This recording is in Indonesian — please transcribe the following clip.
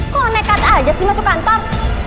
kok gak naik kartu aja sih masuk kantor